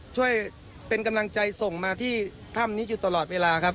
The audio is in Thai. ช่วยเป็นกำลังใจส่งมาที่ถ้ำนี้อยู่ตลอดเวลาครับ